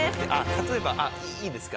例えばいいですか？